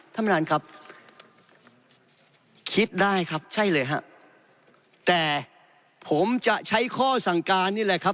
ท่านประธานครับคิดได้ครับใช่เลยฮะแต่ผมจะใช้ข้อสั่งการนี่แหละครับ